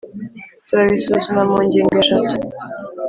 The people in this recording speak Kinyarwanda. turabisuzuma mu ngingo eshatu: